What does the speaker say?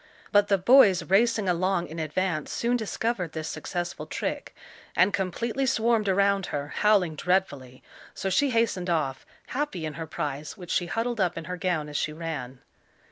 But the boys racing along in advance soon discovered this successful trick, and completely swarmed around her, howling dreadfully, so she hastened off, happy in her prize, which she huddled up in her gown as she ran.